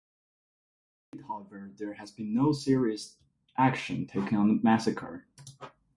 To date, however, there has been no serious action taken on the massacre.